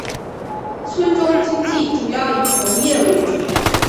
村中经济主要以农业为主。